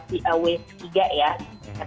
tidak hanya memang